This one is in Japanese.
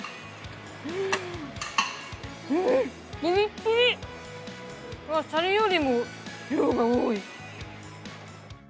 シャリよりも量が多い。